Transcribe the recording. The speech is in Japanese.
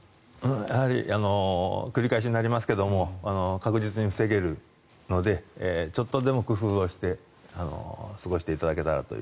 やはり繰り返しになりますが確実に防げるのでちょっとでも工夫をして過ごしていただけたらと。